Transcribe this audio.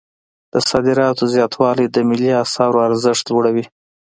د صادراتو زیاتوالی د ملي اسعارو ارزښت لوړوي.